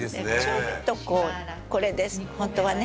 「ちょっとこれでホントはね